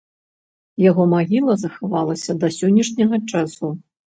Яго магіла захавалася да сённяшняга часу.